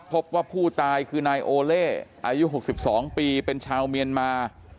พบว่าผู้ตายคือนายโอเล่อายุ๖๒ปีเป็นชาวเมียนมา